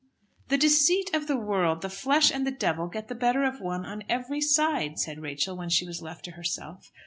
"The deceit of the world, the flesh, and the devil, get the better of one on every side," said Rachel, when she was left to herself.